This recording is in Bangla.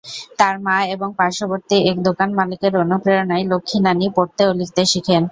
তার মা এবং পার্শবর্তী এক দোকান মালিকের অনুপ্রেরণায় লক্ষ্মী নানি পড়তে ও লিখতে শিখেন।